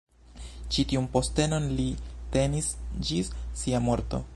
Ĉi tiun postenon li tenis ĝis sia morto.